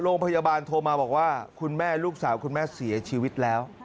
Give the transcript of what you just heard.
โรงพยาบาลโทรมาบอกว่าคุณแม่ลูกสาวคุณแม่เสียชีวิตแล้ว